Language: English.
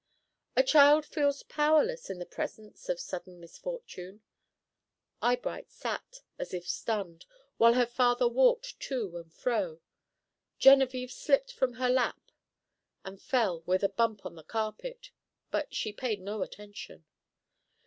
A child feels powerless in the presence of sudden misfortune. Eyebright sat as if stunned, while her father walked to and fro. Genevieve slipped from her lap and fell with a bump on the carpet, but she paid no attention.